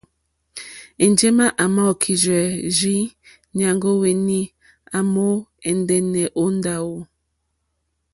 Enjema à mà okirzɛ rzii nyàŋgo wèni à mò ɛ̀ndɛ̀nɛ̀ o ndawò.